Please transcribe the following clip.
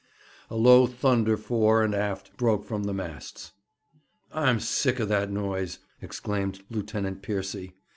A low thunder fore and aft broke from the masts. 'I'm sick of that noise!' exclaimed Lieutenant Piercy.